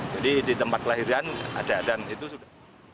jadi di tempat kelahiran ada dan itu sudah